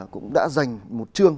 cũng đã dành một chương